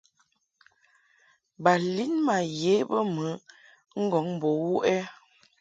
Ba lin ma ye bə mɨ ŋgɔŋ bo wuʼ ɛ ?